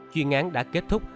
chuyên án đã kết thúc